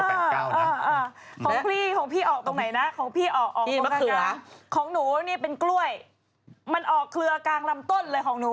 เลขมันอยู่ขึ้นรอบฝ่างแต่ผมว่าแสดงคำน้อยหนานะ